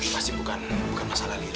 pasti bukan masalah lila